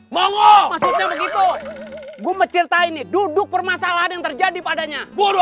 mongol begitu gue mencintai nih duduk permasalahan yang terjadi padanya bodoh